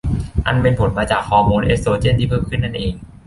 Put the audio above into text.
อันเป็นผลมาจากฮอร์โมนเอสโตรเจนที่เพิ่มขึ้นนั่นเอง